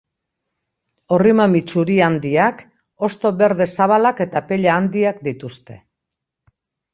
Orri-mami txuri handiak, hosto berde zabalak eta pella handiak dituzte.